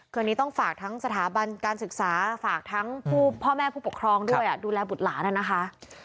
คืออันนี้ต้องฝากทั้งสถาบันการศึกษาฝากทั้งพ่อแม่ผู้ปกครองด้วยดูแลบุตรหลานนะคะ